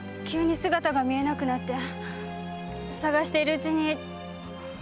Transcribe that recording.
急に姿が見えなくなって捜しているうちに。